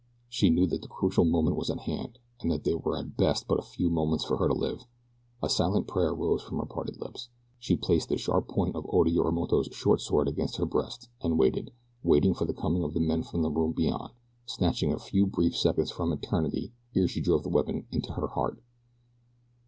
She knew that the crucial moment was at hand; that there were at best but a few moments for her to live. A silent prayer rose from her parted lips. She placed the sharp point of Oda Yorimoto's short sword against her breast, and waited waited for the coming of the men from the room beyond, snatching a few brief seconds from eternity ere she drove the weapon into her heart.